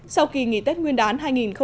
sau kỳ nghỉ tết nguyên đán hai nghìn một mươi tám